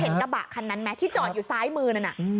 คุณเห็นกระบะคันนั้นไหมที่จอดอยู่ซ้ายมือนั่น